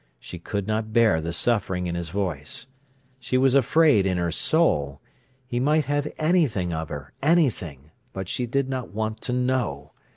She could not bear the suffering in his voice. She was afraid in her soul. He might have anything of her—anything; but she did not want to know.